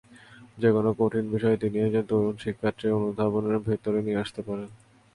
যেকোনো কঠিন বিষয় তিনি একজন তরুণ শিক্ষার্থীর অনুধাবনের ভেতরে নিয়ে আসতে পারেন।